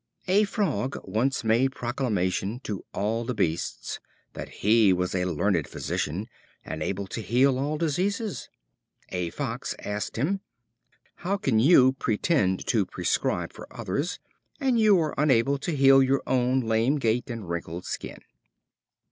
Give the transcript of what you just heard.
A Frog once made proclamation to all the beasts that he was a learned physician, and able to heal all diseases. A Fox asked him: "How can you pretend to prescribe for others, and you are unable to heal your own lame gait and wrinkled skin?"